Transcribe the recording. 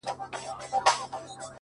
سیاه پوسي ده. جنگ دی جدل دی.